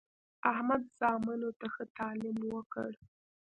احمد زامنو ته ښه تعلیم وکړ.